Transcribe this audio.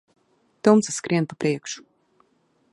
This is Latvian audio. Tumsa skrien pa priekšu.